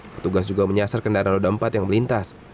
petugas juga menyasar kendaraan roda empat yang melintas